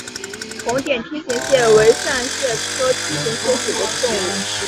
红点梯形蟹为扇蟹科梯形蟹属的动物。